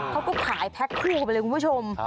เขาก็ขายแพ็คคู่กันไปเลยคุณผู้ชม